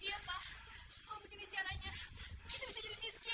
iya pak kalau begini caranya kita bisa jadi miskin